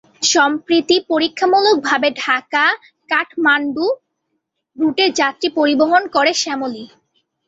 সম্প্রতি পরীক্ষামূলকভাবে ঢাকা-কাঠমান্ডু রুটে যাত্রী পরিবহন করে শ্যামলী।